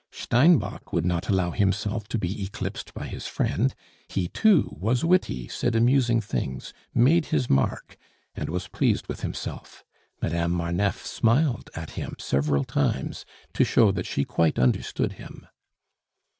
Steinbock would not allow himself to be eclipsed by his friend; he too was witty, said amusing things, made his mark, and was pleased with himself; Madame Marneffe smiled at him several times to show that she quite understood him.